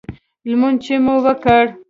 لمونځ چې مو وکړ.